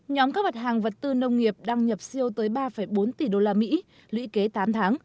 nhóm các mặt hàng vật tư nông nghiệp đang nhập siêu tới ba bốn tỷ usd lũy kế tám tháng